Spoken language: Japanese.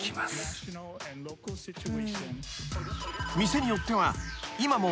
［店によっては今も］